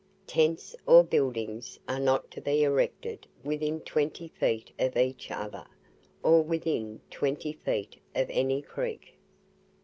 Tents or buildings are not to be erected within Twenty feet of each other, or within Twenty feet of any Creek.